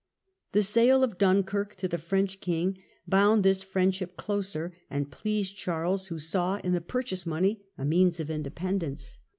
The sale of Dunkirk to the French king bound this friendship closer, and pleased Charles, who saw in the purchase money a means of independence.